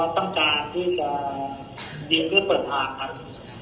ต้องกางจะเปิดทาง